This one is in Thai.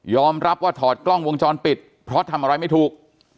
รับว่าถอดกล้องวงจรปิดเพราะทำอะไรไม่ถูก